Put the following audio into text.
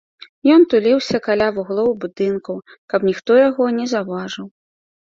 Ён туліўся каля вуглоў будынкаў, каб ніхто яго не заўважыў.